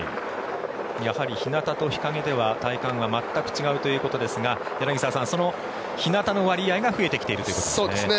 やはり日なたと日陰では体感が全く違うということですが柳澤さん、その日なたの割合が増えてきているということですね。